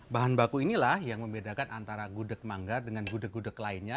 bahan baku inilah yang membedakan antara gudeg manggar dengan gudeg gudeg lainnya